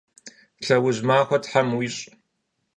Lheuj maxue them yiş'!